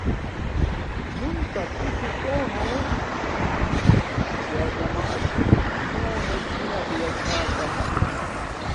مون تا کونو توشو یرکاماس فون ملہ ہویا چھا کاتہ